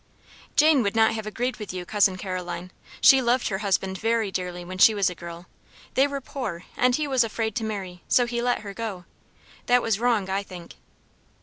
"Jane would not have agreed with you, Cousin Caroline; she loved her husband very dearly when she was a girl. They were poor, and he was afraid to marry; so he let her go. That was wrong, I think."